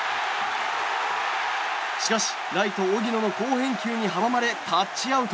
しかし、ライト荻野の好返球に阻まれタッチアウト。